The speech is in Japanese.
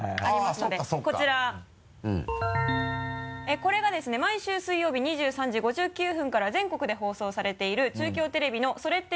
これがですね毎週水曜日２３時５９分から全国で放送されている中京テレビの「それって！？